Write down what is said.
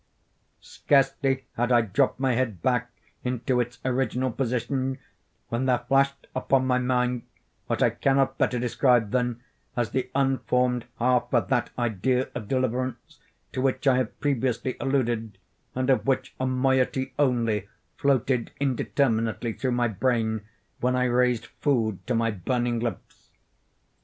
Scarcely had I dropped my head back into its original position, when there flashed upon my mind what I cannot better describe than as the unformed half of that idea of deliverance to which I have previously alluded, and of which a moiety only floated indeterminately through my brain when I raised food to my burning lips.